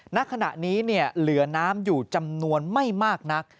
ณขณะนี้เหลือน้ำอยู่จำนวนไม่มากนัก